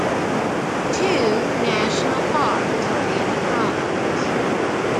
Two national parks are in the province.